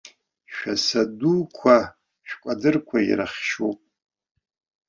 Шәаса дуқәа шәкәадырқәа ирыхшьуп.